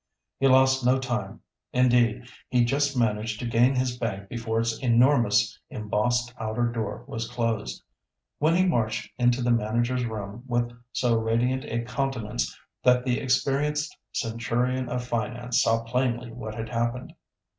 He lost no time; indeed he just managed to gain his bank before its enormous embossed outer door was closed, when he marched into the manager's room with so radiant a countenance that the experienced centurion of finance saw plainly what had happened.